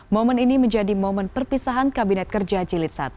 momen ini menjadi momen perpisahan kabinet kerja jilid satu